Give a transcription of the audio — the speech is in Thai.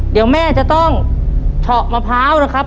เดี๋ยวแม่จะต้องเฉาะมะพร้าวนะครับ